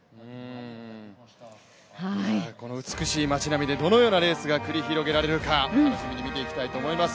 この美しい町並みでどのようなレースが繰り広げられるか楽しみに見ていきたいと思います。